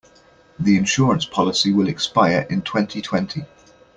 The insurance policy will expire in twenty-twenty.